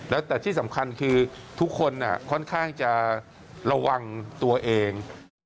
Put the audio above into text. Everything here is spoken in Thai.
แล้วแต่ที่สำคัญคือทุกคนค่อนข้างจะระวังตัวเอง